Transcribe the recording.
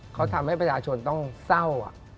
เขาทำให้ประชาชนต้องเศร้า